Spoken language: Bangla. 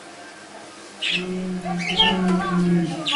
EEE - EEE?